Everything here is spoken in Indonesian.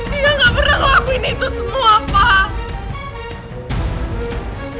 dia gak pernah ngelakuin itu semua pak